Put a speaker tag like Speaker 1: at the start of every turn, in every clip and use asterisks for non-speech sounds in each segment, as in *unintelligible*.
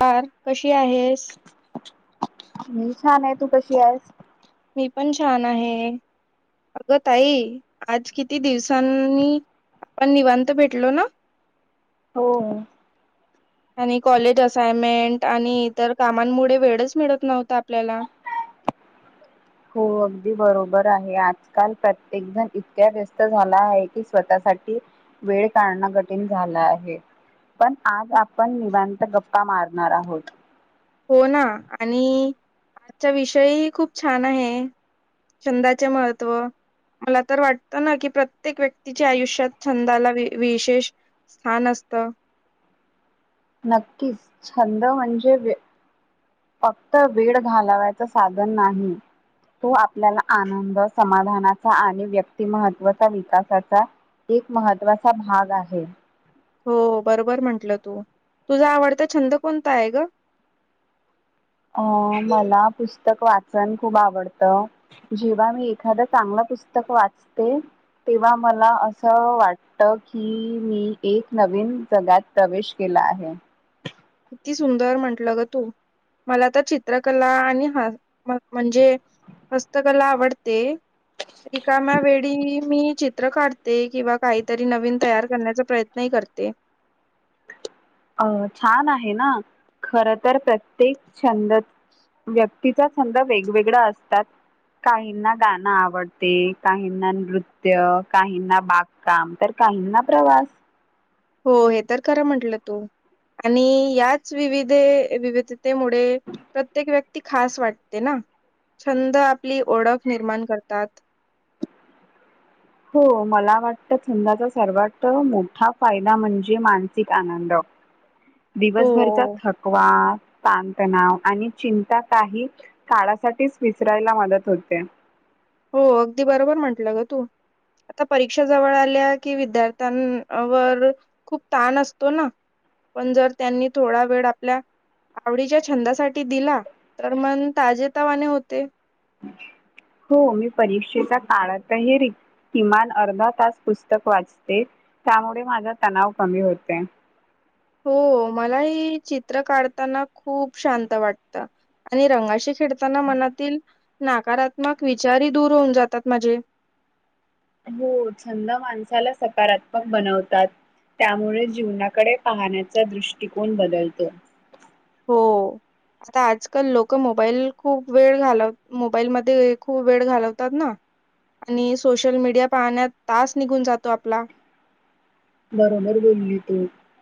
Speaker 1: Car कशी आहेस
Speaker 2: मी छान आहे तू कशी आहेस
Speaker 1: मी पण छान आहे अग ताई आज किती दिवसांनी आपण निवांत भेटलो ना
Speaker 2: हो
Speaker 1: आणि कॉलेज असाइनमेंट आणि इतर कामांमुळे वेळच मिळत नव्हता आपल्याला
Speaker 2: हो अगदी बरोबर आहे आजकाल प्रत्येक जण इतक्या व्यस्त झाला आहे की स्वतःसाठी वेळ काढणं कठीण झालं आहे पण आज आपण निवांत गप्पा मारणार आहोत
Speaker 1: हो ना आणि आजचा विषय खूप छान आहे छंदाचे महत्त्व मला तर वाटतं ना की प्रत्येक व्यक्तीच्या आयुष्यात छंदाला विशेष छान असत
Speaker 2: नक्कीच छंद म्हणजे फक्त वेळ घालावायचं साधन नाही तो आपल्याला आनंद समाधानाचा आणि व्यक्तिमहत्त्वाचा विकासाचा एक महत्वाचा भाग आहे
Speaker 1: हो बरोबर म्हंटलं तू तुझा आवडता छंद कोणता आहे ग
Speaker 2: अ मला पुस्तक वाचन खूप आवडतं जेव्हा मी एखाद चांगलं पुस्तक वाचते तेव्हा मला असं वाट की मी एक नवीन जगत प्रवेश केला आहे
Speaker 1: किती सुंदर म्हटलं ग तू मला तर चित्रकला आणि ह म्हणजे हस्तकला आवडते रिकाम्या वेळी मी चित्र काढते किंवा काहीतरी नवीन तयार करण्याचा प्रयत्न नाही करते
Speaker 2: अ छान आहे ना खर तर प्रत्येक छंद व्यक्तीचा छंद वेगवेगळा असतात काहींना गाणं आवडते काहींना नृत्य काहींना बाग काम तर काही ना प्रवास
Speaker 1: हो हे तर खरं म्हंटलं तू आणि याच विविध विविध प्रत्येक व्यक् ती खास वाटते ना छंद आपली ओळख निर्माण करतात *inaudible*
Speaker 2: हो मला वाटतं छंदाचा सर्वात मोठा फायदा म्हणजे मानसिक आनंद
Speaker 1: हो
Speaker 2: दिवसभरचा थकवा तांतणाव आणि चिंता काही काळासाठीच विसरायला मदत होते
Speaker 1: हो अगदी बरोबर म्हंटलं ग तू आता परीक्षा जवळ आल्या कि विद्यार्थ्यांवर खूप ताण असतो ना पण जर त्यांनी थोडा वेळ आपल्या आवडीच्या छंदासाठी दिला तर मन ताजे तवाने होते
Speaker 2: हो मी परीक्षेच्या काळातही रिक किमान अर्धा तास पुस्तक वाचते त्यामुळे माझा तणाव कमी होते
Speaker 1: हो मला हे चित्र काढताना खूप शांत वाटत आणि रंगाशी खेळताना मनातील नकारात्मक विचारी दूर होऊन जातात माझे
Speaker 2: हो छंद माणसाला सकारात्मक बनवतात त्यामुळे जीवनाकडे पाहण्याचा दृष्टिकोन बदलतो
Speaker 1: हो. आता आजकाल लोक मोबाईल खूप वेळ घालव मोबाईलमध्ये खूप वेळ घालवतात ना. आणि सोशल मीडिया पाहण्यात तास निघून जातो आपला..
Speaker 2: बरोबर बोलली तु.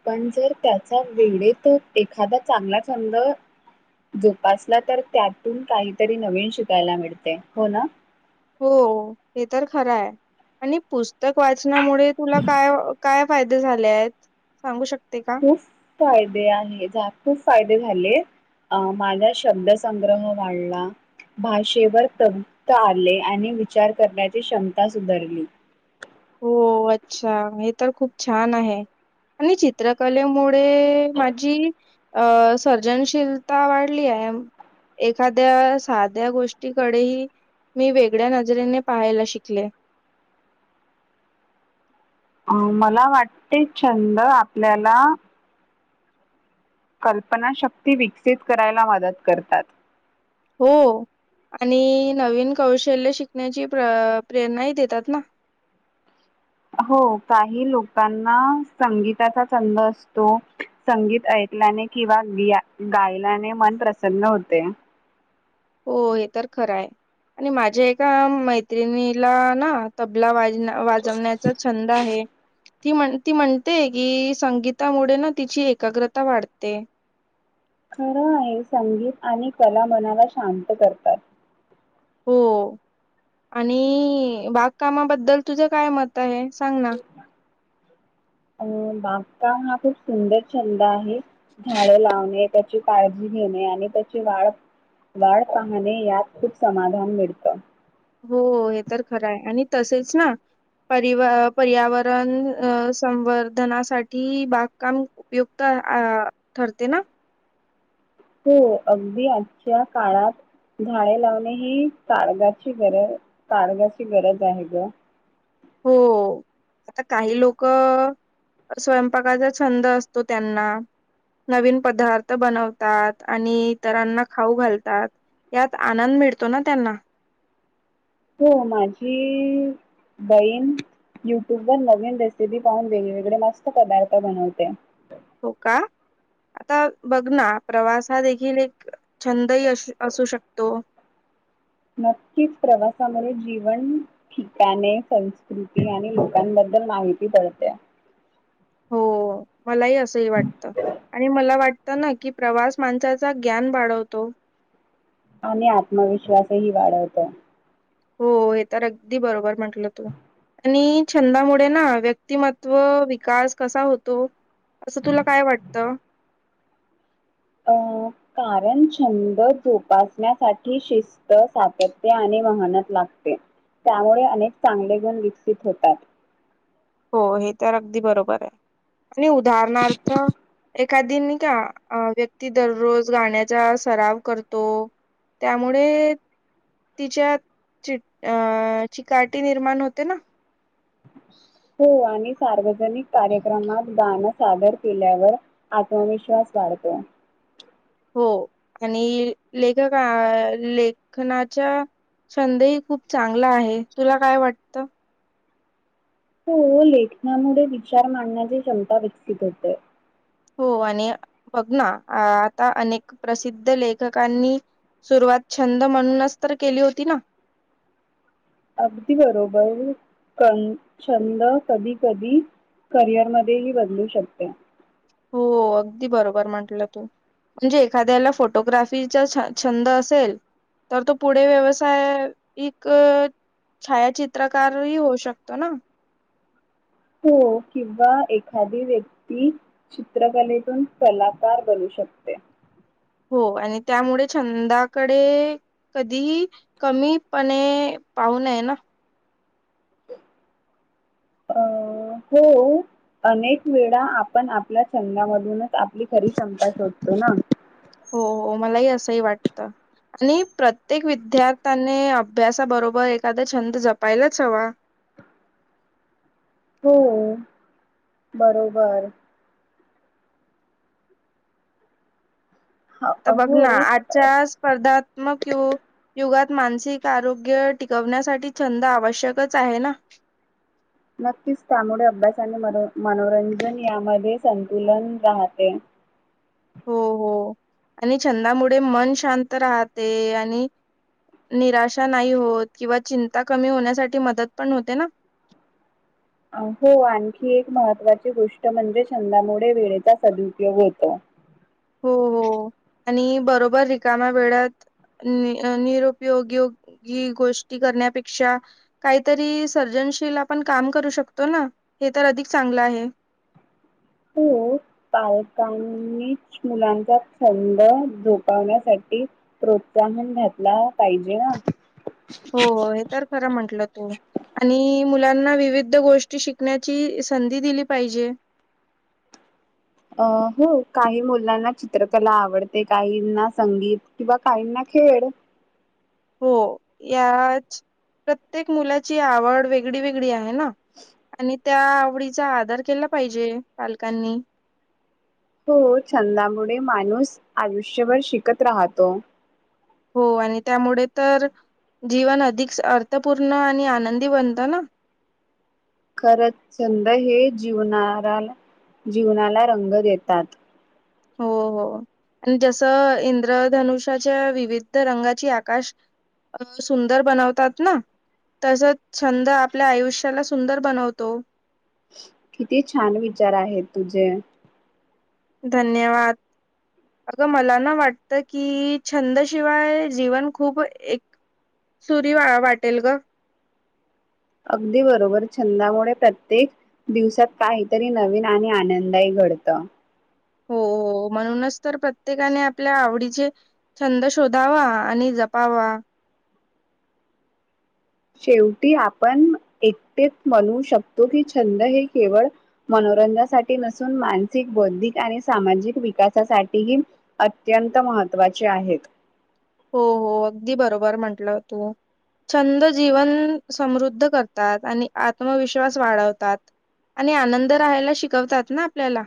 Speaker 2: पण जर त्याचा वेळेत एखादा चांगला छंद जोपासला तर त्यातून काहीतरी नवीन शिकायला मिळते हो ना?
Speaker 1: हो हे तर खरं आहे आणि पुस्तक वाचनामुळे तुला काय. काय फायदे झाले आहेत सांगू शकते का?
Speaker 2: खूप फायदे आणि खूप फायदे झाले अ माझा शब्दसंग्रह वाढला. भाषेवर तपत आले आणि विचार करण्याची क्षमता सुधारली
Speaker 1: हो अच्छा हे तर खूप छान आहे अणुचित चित्रकलेमुळे माझी अ सर्जनशीलता वाढली आहे. एखाद्या साध्या गोष्टीकडेही मी वेगळ्या नजरेने पाहायला शिकले.
Speaker 2: अ मला वाटते छंद आपल्याला कल्पना शक्ती विकसित करायला मदत करतात
Speaker 1: हो आणि नवीन कौशल्य शिकण्याची प्र प्रेरणाही देतात ना
Speaker 2: हो काही लोकांना संगीताचा छंद असतो. संगीत ऐकल्याने किंवा गि गायल्याने मन प्रसन्न होते.
Speaker 1: हो हे तर खरं आहे आणि माझ्या एका मैत्रिणीला ना तबला वा वाजवण्याचा छंद आहे. ती म्हण ती म्हणते की संगीतामुळे ना तिची एकाग्रता वाढते.
Speaker 2: खरं आहे संगीत आणि कला मनाला शांत करतात.
Speaker 1: हो आणि बागकामाबद्दल तुझं काय मत आहे सांग ना? *unintelligible*
Speaker 2: अं बागकाम हा खूप सुंदर छंद आहे. झाडे लावणे त्याची काळजी घेणे आणि त्याची वाढ वाढ पाहणे यात खूप समाधान मिळत.
Speaker 1: हो हे तर खरं आहे आणि तसेच ना परिव पर्यावरण संवर्धनासाठी बागकाम उपयुक्त अ ठरते ना
Speaker 2: हो अगदी आजच्या काळात.. झाडे लावणे ही तारगाची गरज ताडगाची गरज आहे ग
Speaker 1: हो. आता काही लोक स्वयंपाकाचा छंद असतो त्यांना नवीन पदार्थ बनवतात आणि इतरांना खाऊ घालतात. यात आनंद मिळतो ना त्यांना
Speaker 2: हो माझी बहीण युट्यूब वर नवीन रेसिपी पाहून वेगवेगळे मस्त पदार्थ बनवते.
Speaker 1: हो का. आता बघ ना प्रवास हा देखील एक छंदही असू शकतो.
Speaker 2: नक्कीच प्रवासामध्ये जीवन ठिकाणे संस्कृती आणि लोकांबद्दल माहिती पडते.
Speaker 1: हो मलाही असंही वाटत. आणि मला वाटतं ना की प्रवास माणसाचा ज्ञान वाढवतो.
Speaker 2: आणि आत्मविश्वासही वाढवतो.
Speaker 1: हो हे तर अगदी बरोबर म्हंटलं तू आणि छंदामुळे ना व्यक्तिमत्व विकास कसा होतो. असं तुला काय वाटतं?
Speaker 2: अ कारण छंद जोपासण्यासाठी शिस त सातत्य आणि वहनत लागते त्यामुळे अनेक चांगले गुण विकसित होतात.
Speaker 1: हो हे तर अगदी बरोबर आहे आणि उदाहरणार्थ एक एखादी नी का अ व्यक्ती दररोज गाण्याचा सराव करतो त्यामुळे तिच्या ची अ चीकाटी निर्माण होते ना.
Speaker 2: हो आणि सार्वजनिक कार्यक्रमात गाणं सादर केल्यावर आत्मविश्वास वाढतो.
Speaker 1: हो आणि लेखका लेखनाच्या छंदही खूप चांगला आहे तुला काय वाट
Speaker 2: हो लेखनामुळे विचार मांडण्याची क्षमता विकसित होते.
Speaker 1: हो आणि बघ ना आता अनेक प्रसिद्ध लेखकांनी सुरुवात छंद म्हणूनच तर केली होती ना.
Speaker 2: अगदी बरोबर क छंद कधी-कधी करिअरमध्ये ही बदलू शकते.
Speaker 1: हो अगदी बरोबर म्हटलं तू. म्हणजे एखाद्याला फोटोग्राफीचा छ छंद असेल तर तो पुढे व्यवसाय एक छायाचित्रकारही होऊ शकतो ना.
Speaker 2: हो किंवा एखादी व्यक्ती चित्रकलेतून कलाकार बनू शकते.
Speaker 1: हो आणि त्यामुळे छंदाकडे कधी ही कमीपणे पाहू नये ना.
Speaker 2: अ हो अनेक वेळा आपण आपल्या छंदामधूनच आपली खरी क्षमता शोधतो ना.
Speaker 1: हो मलाही असंही वाटतं. आणि प्रत्येक विद्यार्थ्याने अभ्यासाबरोबर एखादा छंद जपायलाच हवा.
Speaker 2: हो बरोबर. ह
Speaker 1: आता बघ
Speaker 2: हो
Speaker 1: ना आजच्या स्पर्धात्मक यु युगात मानसिक आरोग्य टिकवण्यासाठी छंद आवश्यकच आहे ना
Speaker 2: नक्कीच त्यामुळे अभ्यास आणि मनो मनोरंजन यामध्ये संतुलन राहते.
Speaker 1: हो हो आणि छंदामुळे मन शांत राहते आणि निराशा नाही होत किंवा चिंता कमी होण्यासाठी मदत पण होते ना.
Speaker 2: हो आणखी एक महत्त्वाची गोष्ट म्हणजे छंदामुळे वेळेचा सदुपयोग होतो.
Speaker 1: हो हो आणि बरोबर रिकामा वेळ्यात नि अ निरुपयोगी योगी गोष्टी करण्यापेक्षा काहीतरी सर्जनशील आपण काम करू शकतो ना हे तर अधिक चांगलं आहे.
Speaker 2: हो. पालकांनीच मुलांचा छंद झोकावण्यासाठी प्रोत्साहन घातला पाहिजे हा.
Speaker 1: हो हे तर खरं म्हंटलं तू. आणि मुलांना विविध गोष्टी शिकण्याची संधी दिली पाहिजे.
Speaker 2: अ हो काही मुलांना चित्रकला आवडते काहींना संगीत किंवा काहींना खेळ.
Speaker 1: हो याच प्रत्येक मुलाची आवड वेगळी वेगळी आहे ना. आणि त्या आवडीचा आधार केला पाहिजे पालकांनी.
Speaker 2: हो छंदामुळे माणूस आयुष्यभर शिकत राहतो.
Speaker 1: हो आणि त्यामुळे तर जीवन अधिक अर्थपूर्ण आणि आनंदी बनतं ना.
Speaker 2: खरंच छंद हे जीवनाराला जीवनाला रंग देतात.
Speaker 1: हो हो आणि जसं इंद्रधनुषाच्या विविध रंगाची आकाश अ सुंदर बनवतात ना तसच छंद आपल्या आयुष्याला सुंदर बनवतो.
Speaker 2: किती छान विचार आहेत तुझे
Speaker 1: धन्यवाद! अगं मला ना वाटतं की छंदशिवाय जीवन खूप एक सुरी वा वाटेल ग
Speaker 2: अगदी बरोबर छंदामुळे प्रत्येक दिवसात काहीतरी नवीन आणि आनंदही घडतं.
Speaker 1: हो हो म्हणूनच तर प्रत्येकाने आपल्या आवडीचे छंद शोधावा आणि जपावा.
Speaker 2: शेवटी आपण एकटेत म्हणू शकतो की छंद हे केवळ मनोरंजनासाठी नसून मानसिक बौद्धिक आणि सामाजिक विकासासाठीही अत्यंत महत्त्वाचे आहेत.
Speaker 1: हो हो अगदी बरोबर म्हंटलं तू छंद जीवन समृद्ध करतात आणि आत्मविश्वास वाढवतात. आणि आनंद राहायला शिकवतात ना आपल्याला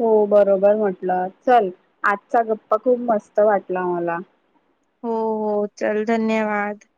Speaker 2: हो बरोबर म्हटलं चल आजचा गप्पा खूप मस्त वाटला म्हाला.
Speaker 1: हो हो चल धन्यवाद.